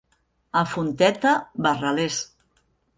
A Fonteta, barralers.